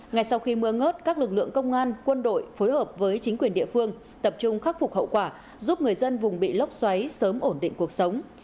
ngay sau khi mưa ngớt các lực lượng công an quân đội phối hợp với chính quyền địa phương tập trung khắc phục hậu quả giúp người dân vùng bị lốc xoáy sớm ổn định cuộc sống